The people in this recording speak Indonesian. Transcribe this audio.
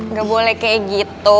enggak boleh kayak gitu